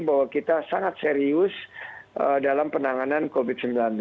bahwa kita sangat serius dalam penanganan covid sembilan belas